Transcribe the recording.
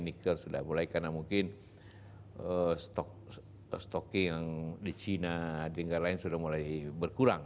nikkel sudah mulai karena mungkin stoking yang di china dan lain lain sudah mulai berkurang